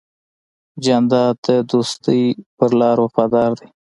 جانداد د دوستی په لار وفادار دی.